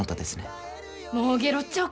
もうゲロっちゃおうか。